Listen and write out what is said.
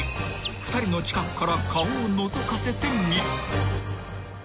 ［２人の近くから顔をのぞかせてみる］